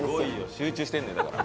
集中してるんだよだから。